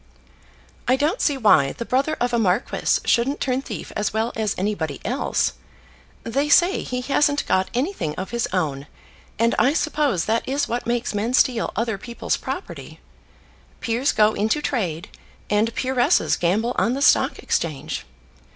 "I don't see why the brother of a marquis shouldn't turn thief as well as anybody else. They say he hasn't got anything of his own; and I suppose that is what makes men steal other people's property. Peers go into trade, and peeresses gamble on the Stock Exchange.